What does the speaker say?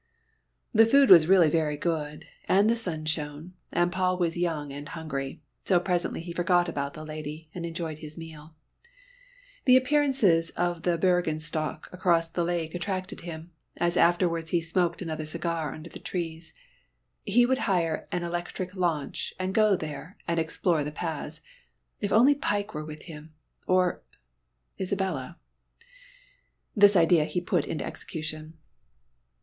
The food was really very good, and the sun shone, and Paul was young and hungry, so presently he forgot about the lady and enjoyed his meal. The appearance of the Bürgenstock across the lake attracted him, as afterwards he smoked another cigar under the trees. He would hire an electric launch and go there and explore the paths. If only Pike were with him or Isabella! This idea he put into execution.